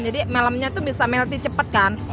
jadi malamnya itu bisa melty cepat kan